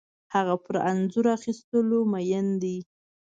هغه پر انځور اخیستلو مین ده